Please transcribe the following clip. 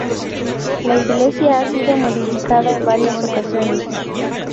La iglesia ha sido modificada en varias ocasiones.